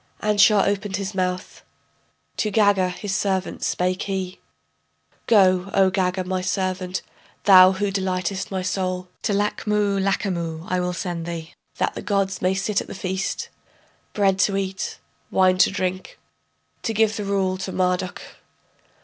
] Anshar opened his mouth, To Gaga, his servant, spake he: Go, O Gaga, my servant thou who delightest my soul, To Lachmu Lachamu I will send thee... That the gods may sit at the feast, Bread to eat, wine to drink, To give the rule to Marduk.